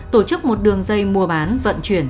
tổ chức một đường dây mua bán vận chuyển